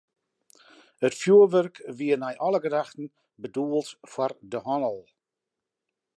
It fjoerwurk wie nei alle gedachten bedoeld foar de hannel.